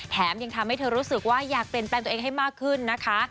ยังทำให้เธอรู้สึกว่าอยากเปลี่ยนแปลงตัวเองให้มากขึ้นนะคะ